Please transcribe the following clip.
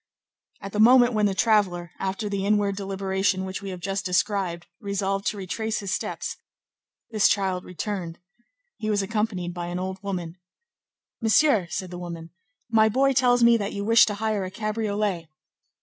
At the moment when the traveller, after the inward deliberation which we have just described, resolved to retrace his steps, this child returned. He was accompanied by an old woman. "Monsieur," said the woman, "my boy tells me that you wish to hire a cabriolet."